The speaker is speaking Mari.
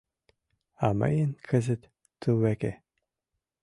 А мыйын кызыт — тувеке.